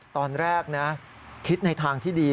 ตอนแรกนะคิดในทางที่ดี